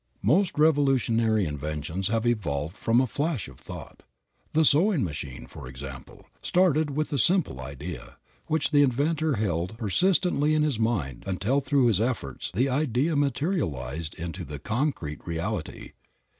Most revolutionary inventions have evolved from a flash of thought. The sewing machine, for example, started with a simple idea, which the inventor held persistently in his mind until through his efforts the idea materialized into the concrete reality.